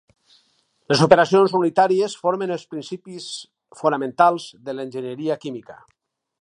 Les operacions unitàries formen els principis fonamentals de l'enginyeria química.